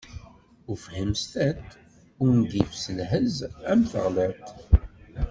Ufhim s tiṭ, ungif s lhezz am teɣliḍt.